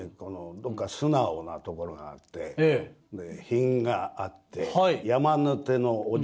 どっか素直なところがあって品があって山の手のお嬢様。